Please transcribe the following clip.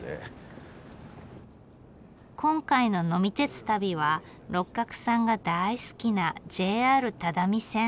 今回の呑み鉄旅は六角さんが大好きなＪＲ只見線。